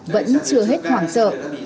vẫn chưa hết khoảng trợ